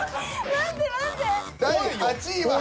第８位は。